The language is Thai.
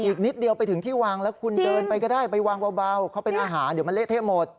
อีกนิดเดียวไปถึงที่วางแล้วคุณเดินไปก็ได้ไปวางเบาเขาเป็นอาหารเดี๋ยวมันเละเทะหมด